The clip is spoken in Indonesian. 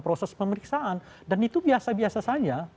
perperiksaan dan itu biasa biasa saja